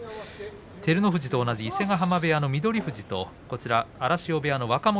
照ノ富士と同じ伊勢ヶ濱部屋の翠富士と荒汐部屋の若元